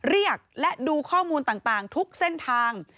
เรียกและดูข้อมูลต่างทุกเส้นทาง